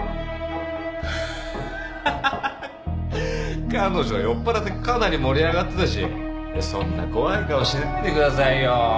ハッハッハ彼女酔っぱらってかなり盛り上がってたしいやそんな怖い顔しないでくださいよ